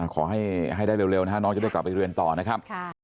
ขอให้ได้เร็วนะฮะน้องจะได้กลับไปเรียนต่อนะครับ